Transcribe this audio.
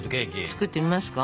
作ってみますか？